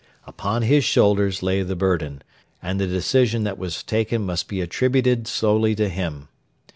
Upon his shoulders lay the burden, and the decision that was taken must be attributed solely to him.